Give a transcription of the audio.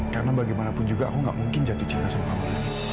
karena bagaimanapun juga aku gak mungkin jatuh cinta sama mereka